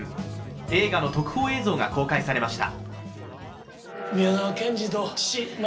映画の特報映像が公開されました。